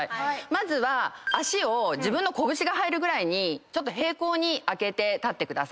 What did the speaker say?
まずは足を自分の拳が入るぐらいに平行に開けて立ってください。